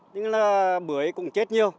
nhưng là bưởi cũng chết nhiều